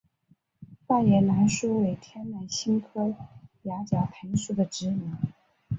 大叶南苏为天南星科崖角藤属的植物。